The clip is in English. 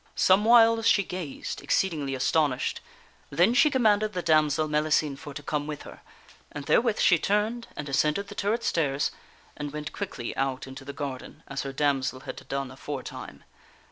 Somewhiles she gazed, exceedingly astonished ; then she commanded the damsel Mellicene for to come with her, and therewith she turned and decended the turret stairs, and went quickly out into the garden, as her damsel had done aforetime.